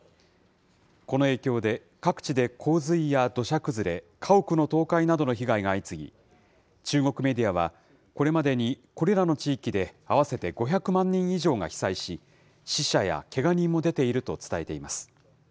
この影響で、各地で洪水や土砂崩れ、家屋の倒壊などの被害が相次ぎ、中国メディアは、これまでにこれらの地域で合わせて５００万人以上が被災し、死者やけが人も出ていると伝えています。